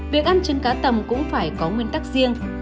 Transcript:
việc ăn trứng cá tầm cũng phải có nguyên tắc riêng